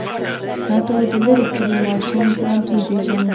حتی د لرې کلي ماشوم پوهنتون پېژني.